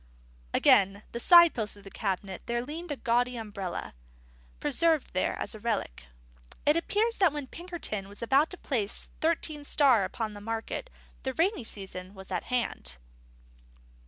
Against the side post of the cabinet there leaned a gaudy umbrella, preserved there as a relic. It appears that when Pinkerton was about to place Thirteen Star upon the market, the rainy season was at hand.